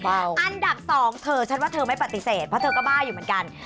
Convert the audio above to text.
อันดับ๒เธอฉันว่าเธอไม่ปฏิเสธเพราะเธอก็บ้าอยู่เหมือนกัน